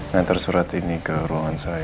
ngantar surat ini ke ruangan saya